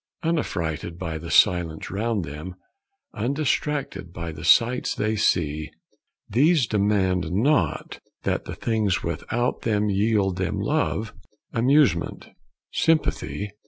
"Unaffrighted by the silence round them, Undistracted by the sights they see, These demand not that the things without them Yield them love, amusement, sympathy.